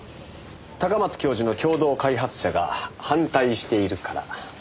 高松教授の共同開発者が反対しているから。